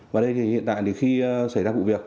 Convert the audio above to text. và hiện tại khi xảy ra vụ việc